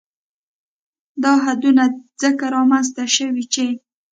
دا حدونه ځکه رامنځ ته شوي چې